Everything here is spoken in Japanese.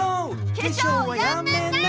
「けしょうはやめない！」